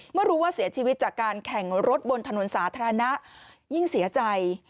เมื่อรู้ว่าเสียชีวิตจากการแข่งรถบนถนนสาธารณะยิ่งเสียใจ